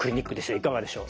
いかがでしょう？